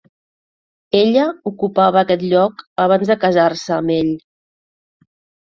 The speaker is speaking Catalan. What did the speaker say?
Ella ocupava aquest lloc abans de casar-se amb ell.